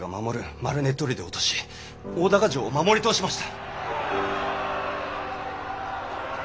丸根砦を落とし大高城を守り通しました。